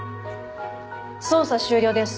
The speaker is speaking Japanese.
捜査終了です。